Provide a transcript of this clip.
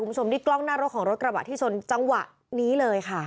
คุณผู้ชมนี่กล้องหน้ารถของรถกระบะที่ชนจังหวะนี้เลยค่ะ